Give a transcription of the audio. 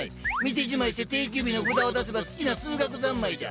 店じまいして定休日の札を出せば好きな数学三昧じゃ。